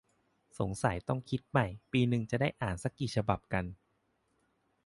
สงสัยต้องคิดใหม่ ปีนึงจะได้อ่านซักกี่ฉบับกัน ?